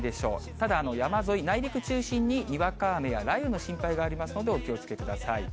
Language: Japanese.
ただ、山沿い、内陸中心に、にわか雨や雷雨の心配がありますのでお気をつけください。